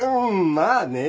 まあね。